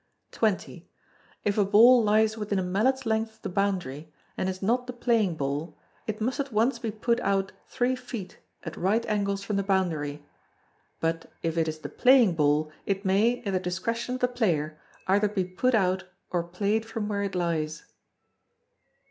xx. If a ball lies within a mallet's length of the boundary, and is not the playing ball, it must at once be put out three feet at right angles from the boundary; but if it is the playing ball, it may, at the discretion of the player, either be put out or played from where it lies.